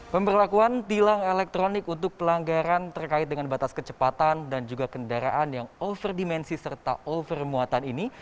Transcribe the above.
pemberlakuan tilang elektronik untuk pelanggaran terkait dengan batas kecepatan dan juga kendaraan yang overdimensi serta over muatan ini